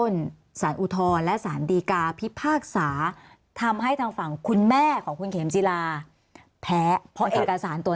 เขายอมเลยท่านยาพินิยายยอมความเลย